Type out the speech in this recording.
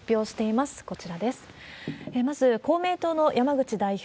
まず、公明党の山口代表。